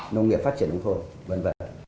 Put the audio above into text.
nông nghiệp phát triển nông thôn